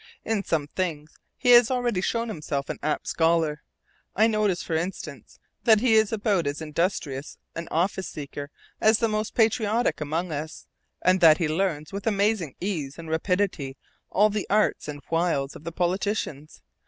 In some things he has already shown himself an apt scholar. I notice, for instance, that he is about as industrious an office seeker as the most patriotic among us, and that he learns with amazing ease and rapidity all the arts and wiles of the politicians.